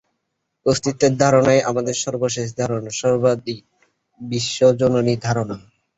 অস্তিত্বের ধারণাই আমাদের সর্বশেষ ধারণা, সর্বাধিক বিশ্বজনীন ধারণা।